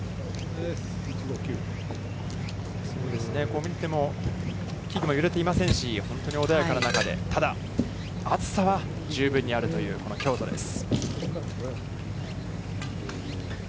こう見ても、木々も揺れていませんし、本当に穏やかな中で、ただ暑さは十分にあるというこの京都です。